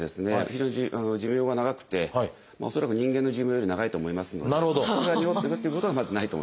非常に寿命が長くて恐らく人間の寿命より長いと思いますのでそれがにごっていくっていうことはまずないと思います。